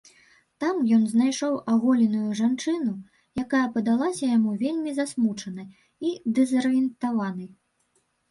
Там ён знайшоў аголеную жанчыну, якая падалася яму вельмі засмучанай і дэзарыентаванай.